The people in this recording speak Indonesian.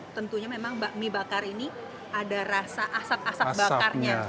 tentunya memang bakmi bakar ini ada rasa asap asap bakarnya